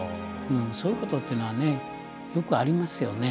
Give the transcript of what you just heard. そういうことっていうのはねよくありますよね。